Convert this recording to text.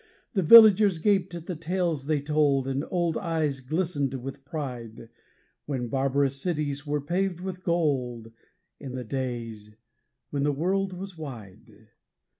The villagers gaped at the tales they told, and old eyes glistened with pride When barbarous cities were paved with gold in the days when the world was wide.